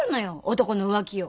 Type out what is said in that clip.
男の浮気を。